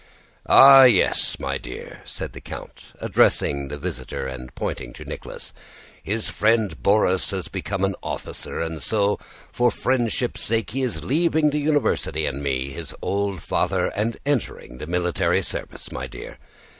"Ah yes, my dear," said the count, addressing the visitor and pointing to Nicholas, "his friend Borís has become an officer, and so for friendship's sake he is leaving the university and me, his old father, and entering the military service, my dear.